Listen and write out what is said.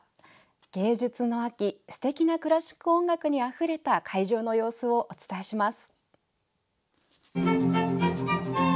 芸術の秋、すてきなクラシック音楽にあふれた会場の様子をお伝えします。